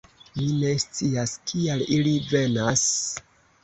Mi ne scias, kial ili venas....